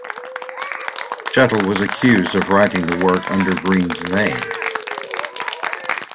Chettle was accused of writing the work under Greene's name.